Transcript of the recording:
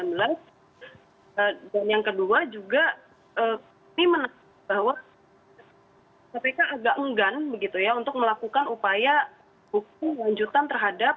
dan yang kedua juga ini menekankan bahwa kpk agak enggan untuk melakukan upaya buku lanjutan terhadap